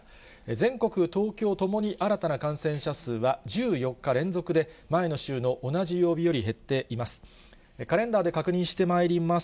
全国、東京ともに新たな感染者数は１４日連続で、前の週の同じ曜日より減っています。